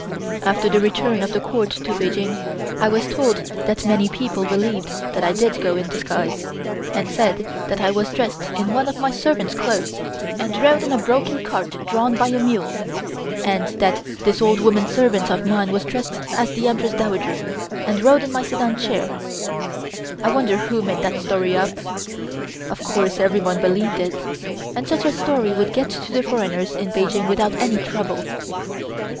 After the return of the Court to Peking, I was told that many people believed that I did go in disguise, and said that I was dressed in one of my servant's clothes, and rode in a broken cart drawn by a mule, and that this old woman servant of mine was dressed as the Empress Dowager, and rode in my sedan chair. I wonder who made that story up? Of course everyone believed it, and such a story would get to the foreigners in Peking without any trouble.